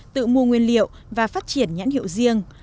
tự mua nguyên liệu và phát triển nhãn hiệu riêng